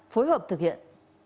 phối hợp thực hiện